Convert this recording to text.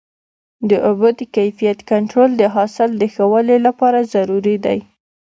د اوبو د کیفیت کنټرول د حاصل د ښه والي لپاره ضروري دی.